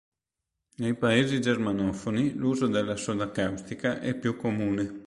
Nei paesi germanofoni l'uso della soda caustica è più comune.